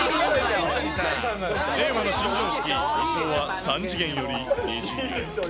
令和の新常識、それは３次元より２次元。